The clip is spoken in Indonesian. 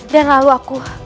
dan lalu aku